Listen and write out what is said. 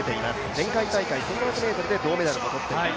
前回大会１５００ｍで銅メダルを取っています。